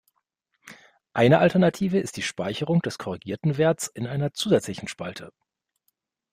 Eine Alternative ist die Speicherung des korrigierten Werts in einer zusätzlichen Spalte.